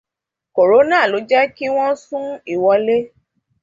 Kòrónà ló jẹ́kí wọ́n sún ìwọ́lé.